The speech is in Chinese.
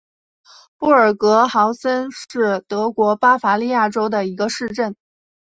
布尔格豪森是德国巴伐利亚州的一个市镇。